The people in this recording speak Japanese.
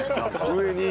上に。